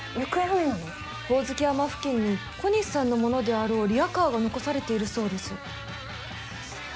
ホオズキ山付近に小西さんのものであろうリアカーが残されているそうです。